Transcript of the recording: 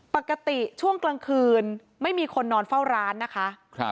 ปกติช่วงกลางคืนไม่มีคนนอนเฝ้าร้านนะคะ